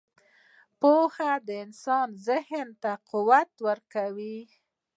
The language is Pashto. • پوهه د انسان ذهن ته قوت ورکوي.